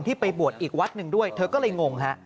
ไปบวชอีกวัดหนึ่งด้วยเธอก็เลยงงฮะ